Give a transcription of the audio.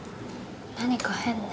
何か変ね。